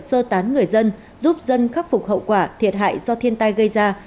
sơ tán người dân giúp dân khắc phục hậu quả thiệt hại do thiên tai gây ra